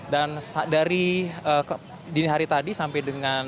dan dari dini hari tadi sampai dengan